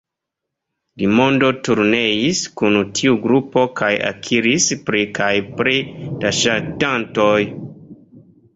Li monde turneis kun tiu grupo kaj akiris pli kaj pli da ŝatantoj.